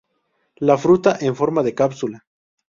La fruta en forma de cápsula.